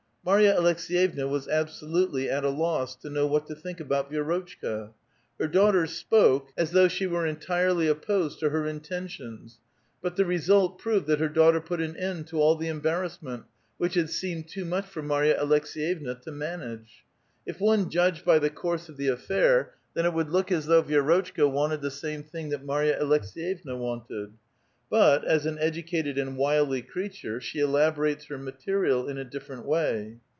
Marya Aleks^yevna was absolutely at a loss to know what to think about Yi^rotchka. Her daughter spoke aa thoii^bi 5:2 .1 VITAL QUESTION. she were entirely opiwsed to her intentions. But the result ])rovod that litr daughter put an end to ull the enil)arra8S ment, which had seemed too much for Marya Aleks^yevua to manajije. If one judj^ed by the course of the affair, then it would look as though \'ierotchka wanted the same thing that iMarva Aloksevevna wanted ; but, as an educated and wily creature, she elaborates her material in a different way.